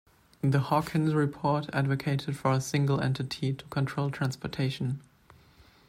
The Hawkins report advocated for a single entity to control transportation.